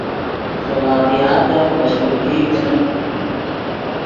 سے واقعاتف مشقولگی کینے